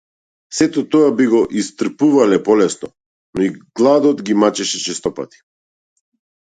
Сето тоа би го истрпувале полесно, но и гладот ги мачеше честопати.